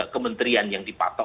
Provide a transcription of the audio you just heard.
kementerian yang dipatok